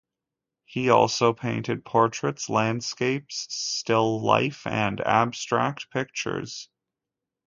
He also painted portraits, landscapes, still life, and abstract pictures.